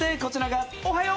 おはよう！